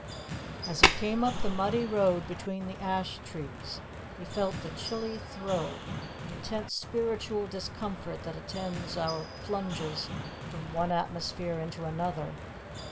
As he came up the muddy road between the ash trees he felt the chilly throe, the intense spiritual discomfort, that attends our plunges from one atmosphere into another.